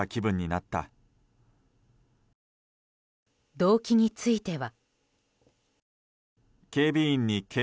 動機については。